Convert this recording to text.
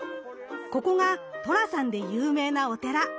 ここが寅さんで有名なお寺。